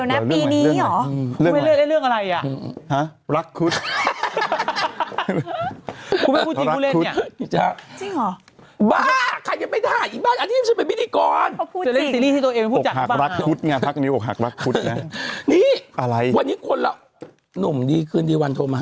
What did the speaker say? วันนี้คนละหนุ่มดีคืนดีวันโทรมา